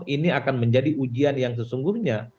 ini akan menjadi ujian yang sesungguhnya